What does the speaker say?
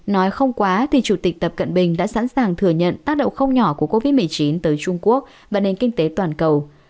nói không quá thì chủ tịch tập cận bình đã sẵn sàng thừa nhận tác động không nhỏ của covid một mươi chín tới trung quốc và nền kinh tế toàn cầu